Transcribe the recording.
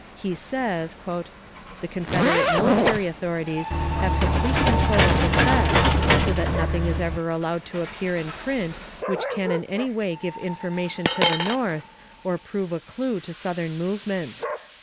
He says: "The confederate military authorities have complete control of the press, so that nothing is ever allowed to appear in print which can in any way give information to the North or prove a clue to Southern movements.